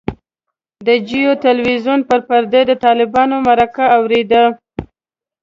د جیو تلویزیون پر پرده د طالبانو مرکه اورېده.